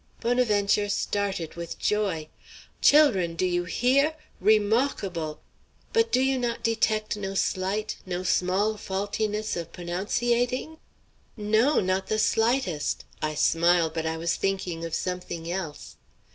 Bonaventure started with joy. "Chil'run, do you hear? Remawkable! But do you not detect no slight no small faultiness of p'onounciating?" "No, not the slightest; I smile, but I was thinking of something else."